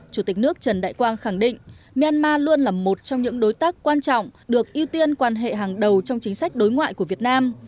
chủ tịch nước trần đại quang khẳng định myanmar luôn là một trong những đối tác quan trọng được ưu tiên quan hệ hàng đầu trong chính sách đối ngoại của việt nam